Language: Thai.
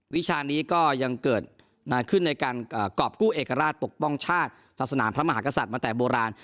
วิชานี้ก็ยังเกิดขึ้นในการกรอบกู้เอกราชปกป้องชาติศาสนาพระมหากษัตริย์มาแต่โบราณ